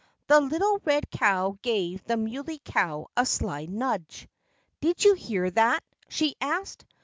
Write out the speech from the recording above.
The little red cow gave the Muley Cow a sly nudge. "Did you hear that?" she asked.